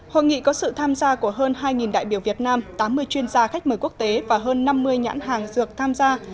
hội nghị có sự tham gia của hơn hai đại biểu việt nam tám mươi chuyên gia khách mời quốc tế và hơn năm mươi nhãn hàng dược tham gia